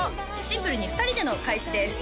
シンプルに２人での開始です